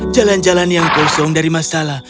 jalan jalan yang kosong dari masalah